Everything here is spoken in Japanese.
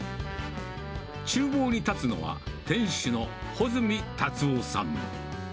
ちゅう房に立つのは、店主の穂積達夫さん。